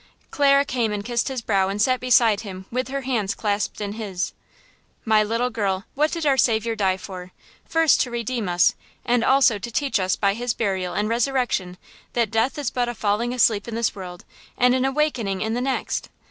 Clara came and kissed his brow and sat beside him with her hands clasped in his. "My little girl, what did our Saviour die for? First to redeem us, and also to teach us by His burial and resurrection that death is but a falling asleep in this world and an awakening in the next.